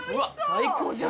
最高じゃん。